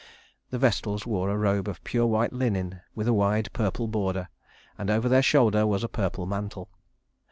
The Vestals wore a robe of pure white linen with a wide purple border, and over their shoulders was a purple mantle.